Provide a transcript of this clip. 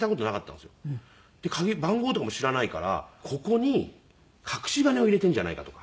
番号とかも知らないからここに隠し金を入れているんじゃないかとか。